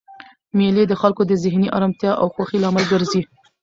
مېلې د خلکو د ذهني ارامتیا او خوښۍ لامل ګرځي.